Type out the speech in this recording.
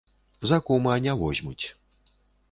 За кума не возьмуць.